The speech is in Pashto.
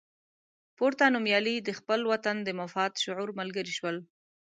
پورته نومیالي د خپل وطن د مفاد شعور ملګري شول.